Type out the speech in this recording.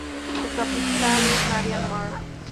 Su capital es Narian-Mar.